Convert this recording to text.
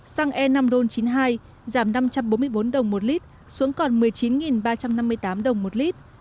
xăng e năm ron chín mươi hai giảm năm trăm bốn mươi bốn đồng một lít xuống còn một mươi chín ba trăm năm mươi tám đồng một lít